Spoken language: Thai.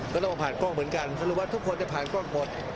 ก็ต้องผ่านกล้องเหมือนกันสรุปว่าทุกคนจะผ่านกล้องหมด